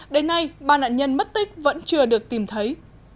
đến nay ba nạn nhân mất tích vẫn chưa được tìm thấy